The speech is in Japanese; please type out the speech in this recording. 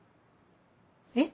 えっ？